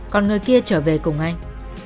còn người kia trở về cùng anh